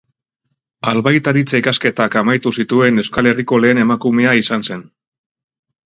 Albaitaritza ikasketak amaitu zituen Euskal Herriko lehen emakumea izan zen.